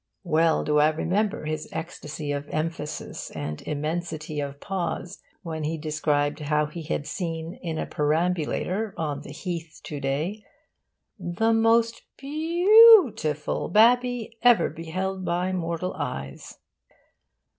Well do I remember his ecstasy of emphasis and immensity of pause when he described how he had seen in a perambulator on the Heath to day 'the most BEAUT iful babbie ever beheld by mortal eyes.